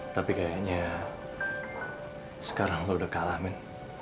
tapi kayaknya sekarang kalau udah kalah men